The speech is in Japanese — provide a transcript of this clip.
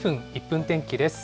１分天気です。